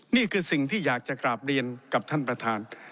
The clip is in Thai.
นี่คือสิ่งที่อยากจะกราบเรียนกับท่านประธาน